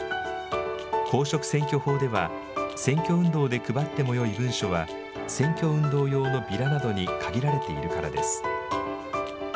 公職選挙法では、選挙運動で配ってもよい文書は、選挙運動用のビラなどに限られているからです。